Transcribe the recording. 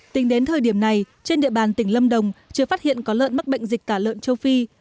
tính đến thời điểm này trên địa bàn tỉnh lâm đồng chưa phát hiện có lợn mắc bệnh dịch tả lợn châu phi